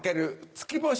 月星。